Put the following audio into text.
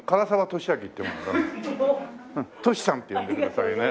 寿ちゃんって呼んでくださいね。